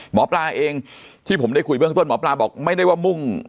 หมอปลาเองที่ผมได้คุยเบื้องต้นหมอปลาบอกไม่ได้ว่ามุ่ง